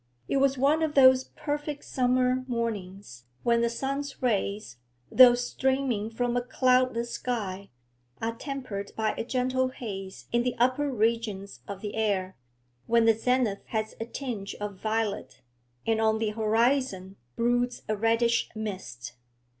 It was one of those perfect summer mornings when the sun's rays, though streaming from a cloudless sky, are tempered by a gentle haze in the upper regions of the air, when the zenith has a tinge of violet and on the horizon broods a reddish mist.